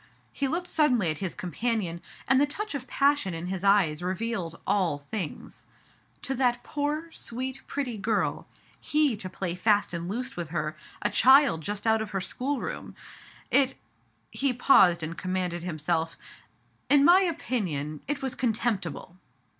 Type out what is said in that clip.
*' He looked suddenly at his companion, and the touch of passion in his eyes revealed all things. "To that poor, sweet, pretty girl. He to play fast and loose with her, a child just out of her schoolroom. It "— he paused and commanded himself —" In my opinion it was contemptible."